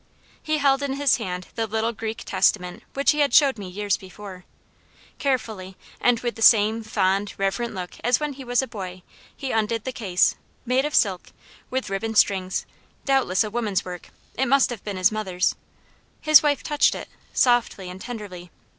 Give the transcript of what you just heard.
He held in his hand the little Greek Testament which he had showed me years before. Carefully, and with the same fond, reverent look as when he was a boy, he undid the case, made of silk, with ribbon strings doubtless a woman's work it must have been his mother's. His wife touched it, softly and tenderly.